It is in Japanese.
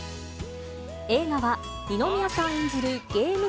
映画は二宮さん演じるゲーム